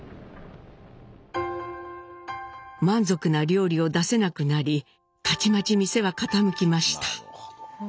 満足な料理を出せなくなりたちまち店は傾きました。